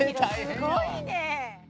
すごいね！」